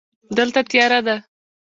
دلته تیاره ده.